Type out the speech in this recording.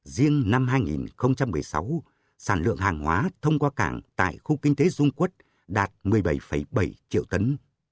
riêng năm hai nghìn một mươi sáu sản lượng hàng hóa thông qua cảng tại khu kinh tế dung quốc đạt một mươi bảy bảy triệu tấn